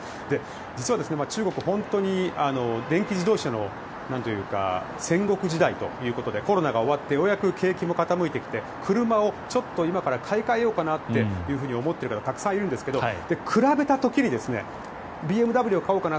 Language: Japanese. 実は、中国は本当に電気自動車の戦国時代ということでコロナが終わってようやく景気も傾いてきて車をちょっと今から買い替えようかなと思っている方たくさんいるんですけど比べた時にＢＭＷを買おうかな